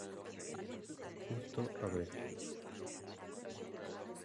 Justo, Av.